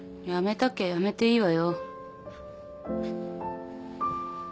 たきゃ辞めていいわよ。